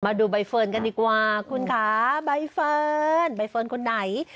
ดูใบเฟิร์นกันดีกว่าคุณคะใบเฟิร์นใบเฟิร์นคนไหน